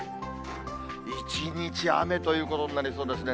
一日雨ということになりそうですね。